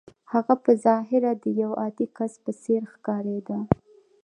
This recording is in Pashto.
هغه په ظاهره د يوه عادي کس په څېر ښکارېده.